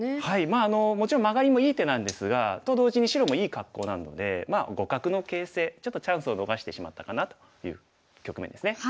まあもちろんマガリもいい手なんですがと同時に白もいい格好なので互角の形勢ちょっとチャンスを逃してしまったかなという局面ですね。